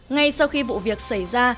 ngay sau khi vụ việc xảy ra